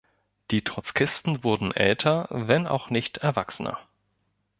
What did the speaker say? Die Trotzkisten wurden älter, wenn auch nicht erwachsener.